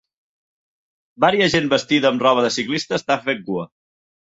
Varia gent vestida amb roba de ciclista estan fent cua.